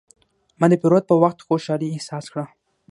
ما د پیرود په وخت خوشحالي احساس کړه.